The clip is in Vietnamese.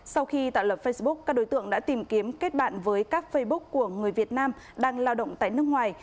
sau khi tạo lập facebook các đối tượng đã tìm kiếm kết bạn với các facebook của người việt nam đang lao động tại nước ngoài